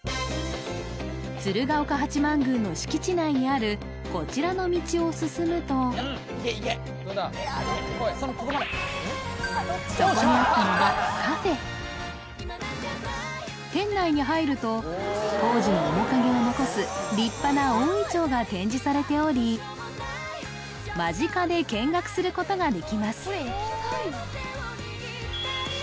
鶴岡八幡宮の敷地内にあるこちらの道を進むとそこにあったのはカフェ店内に入ると当時の面影を残す立派な大銀杏が展示されており間近で見学することができます